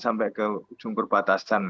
sampai ke ujung perbatasan